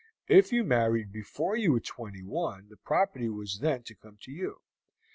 If you married before you were twenty one the property was then to come to you.